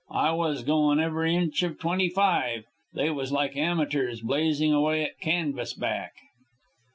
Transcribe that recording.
I was goin' every inch of twenty five. They was like amateurs blazin' away at canvasback."